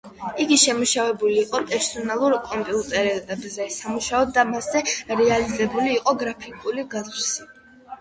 იგი შემუშავებული იყო პერსონალურ კომპიუტერებზე სამუშაოდ და მასზე რეალიზებული იყო გრაფიკული გარსი.